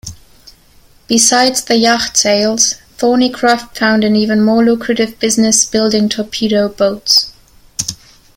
Besides the yacht sales, Thornycroft found an even more lucrative business building torpedo boats.